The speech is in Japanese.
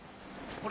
これ？